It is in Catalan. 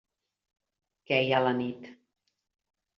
Queia la nit.